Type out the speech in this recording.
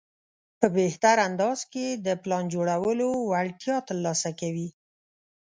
په بهتر انداز کې د پلان جوړولو وړتیا ترلاسه کوي.